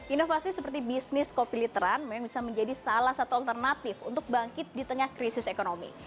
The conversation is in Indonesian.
inovasi seperti bisnis kopi literan memang bisa menjadi salah satu alternatif untuk bangkit di tengah krisis ekonomi